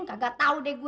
kagak tau deh gue